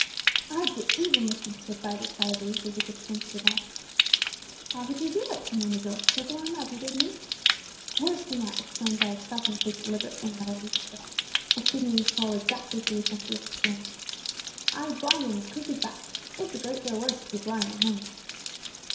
"I'd get even with him," said Buz, excitedly, with a wicked squint of his eyes. "How would you do it?" demanded Joel. "Cripple him as he did me?" "Worse than that!" exclaimed Buz, stopping to take deliberate aim at a leaf overhead, and shooting a hole exactly through the centre with his sling. "I'd blind him as quick as that! It's a great deal worse to be blind than lame."